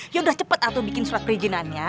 yaudah cepet atu bikin surat perizinannya